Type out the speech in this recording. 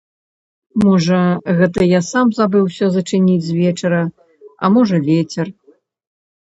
Можа, гэта я сам забыўся зачыніць звечара, а можа, вецер.